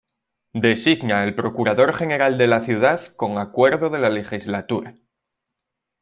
Designa al Procurador General de la Ciudad con acuerdo de la Legislatura.